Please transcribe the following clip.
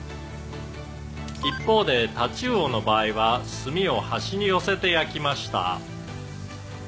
「一方で太刀魚の場合は炭を端に寄せて焼きました」